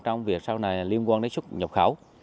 trong việc sau này liên quan đến xuất nhập khẩu